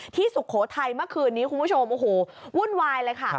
สุโขทัยเมื่อคืนนี้คุณผู้ชมโอ้โหวุ่นวายเลยค่ะ